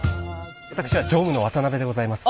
私は常務の渡邊でございます。